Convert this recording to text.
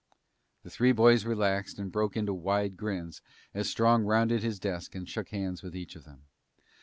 The three boys relaxed and broke into wide grins as Strong rounded his desk and shook hands with each of them.